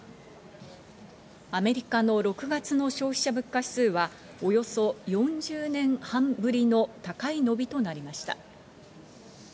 アメリカの６月の消費者物価指数はおよそ４０年半ぶりの高い伸びとなりました。